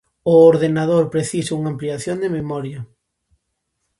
O ordenador precisa unha ampliación de memoria.